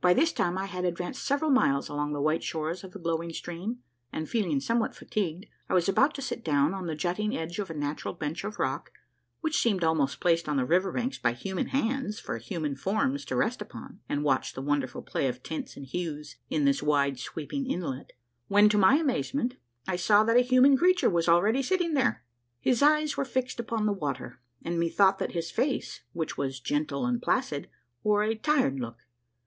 By this time I had ad vanced several miles along the white shores of the glowing stream, and, feeling somewhat fatigued, I was about to sit down on the jutting edge of a natural bench of rock, which seemed almost placed on the river banks by human hands for human forms to rest upon and watch the wonderful play of tints and hues in this wide sweeping inlet, Avhen, to my amazement, I saw that a human creature was already sitting there. His eyes were fixed upon the water, and methought that his face, which was gentle and placid, wore a tired look.